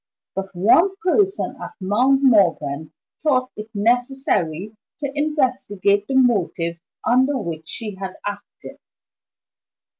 But one person at Mount Morven thought it necessary to investigate the motives under which she had acted.